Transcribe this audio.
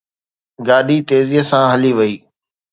گاڏي تيزيءَ سان هلي وئي.